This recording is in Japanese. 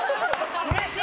うれしい！